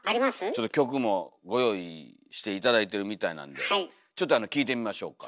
ちょっと曲もご用意して頂いてるみたいなんでちょっとあの聴いてみましょうか。